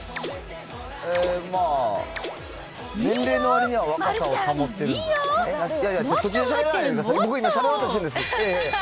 まあ、年齢の割には若さを保ってるんで。